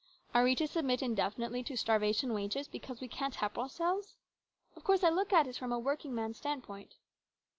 Are we to submit indefinitely to starvation wages because we can't help ourselves ? Of course I look at it from a working man's stand point.